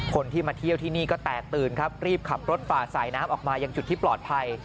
คนที่มาเที่ยวที่นี่ก็แตกตื่นครับรีบขับรถฝ่าสายน้ำออกมายังจุดที่ปลอดภัย